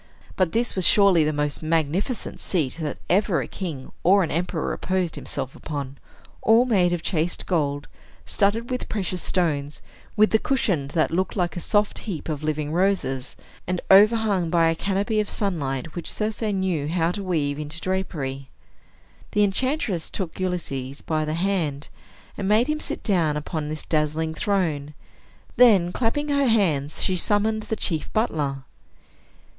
But this was surely the most magnificent seat that ever a king or an emperor reposed himself upon, all made of chased gold, studded with precious stones, with a cushion that looked like a soft heap of living roses, and overhung by a canopy of sunlight which Circe knew how to weave into drapery. The enchantress took Ulysses by the hand, and made him sit down upon this dazzling throne. Then, clapping her hands, she summoned the chief butler.